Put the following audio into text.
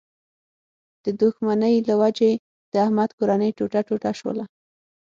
د دوښمنۍ له و جې د احمد کورنۍ ټوټه ټوټه شوله.